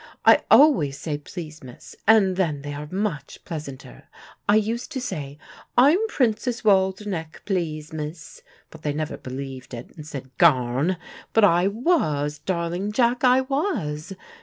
I always say, 'please, miss,' and then they are much pleasanter. I used to say 'I'm Princess Waldenech, please, miss,' but they never believed it, and said 'Garn!' But I was: darling Jack, I was!